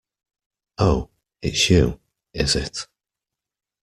Oh, it's you, is it?